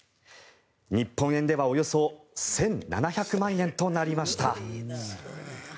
日本円ではおよそ１７００万円となりました。